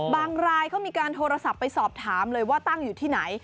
รายเขามีการโทรศัพท์ไปสอบถามเลยว่าตั้งอยู่ที่ไหน